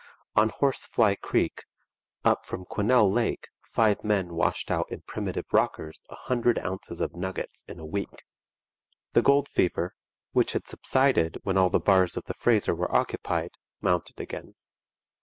On Horse Fly Creek up from Quesnel Lake five men washed out in primitive rockers a hundred ounces of nuggets in a week. The gold fever, which had subsided when all the bars of the Fraser were occupied, mounted again.